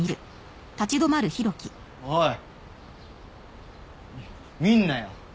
おい見んなよ。